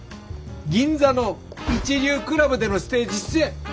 銀座の一流クラブでのステージ出演。